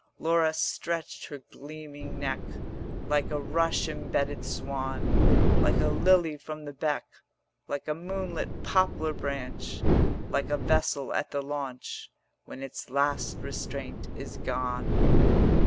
80 Laura stretched her gleaming neck Like a rush imbedded swan, Like a lily from the beck, Like a moonlit poplar branch, Like a vessel at the launch When its last restraint is gone.